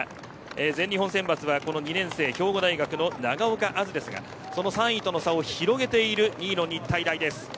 全日本選抜は２年生兵庫大学の長岡あずですが３位との差を広げている２位の日体大です。